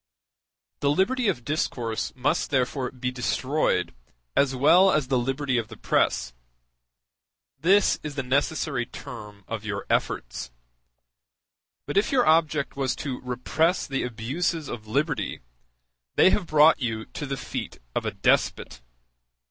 The liberty of discourse must therefore be destroyed as well as the liberty of the press; this is the necessary term of your efforts; but if your object was to repress the abuses of liberty, they have brought you to the feet of a despot.